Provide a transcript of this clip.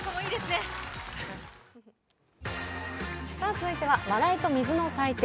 続いては、「笑いと水の祭典！